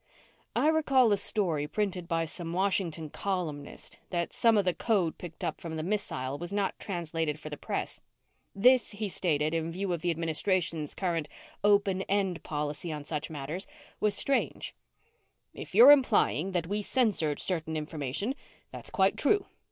"I recall a story printed by some Washington columnist that some of the code picked up from the missile was not translated for the press. This, he stated, in view of the Administration's current 'Open End' policy on such matters, was strange." "If you're implying that we censored certain information, that's quite true.